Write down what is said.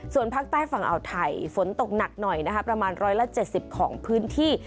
ส่วนภาคใต้ฝั่งอ่าวไทยฝนตกหนักหน่อยนะคะประมาณ๑๗๐ของพื้นที่